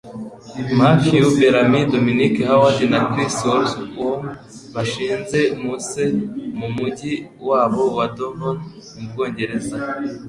Matthew Bellamy, Dominic Howard, na Chris Wolstenhome bashinze Muse mu mu mujyi wabo wa Devon, mu Bwongereza.